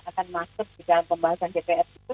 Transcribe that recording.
akan masuk dalam pembahasan jpr itu